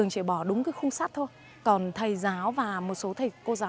tiếng thái là tui